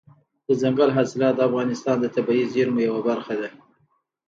دځنګل حاصلات د افغانستان د طبیعي زیرمو یوه برخه ده.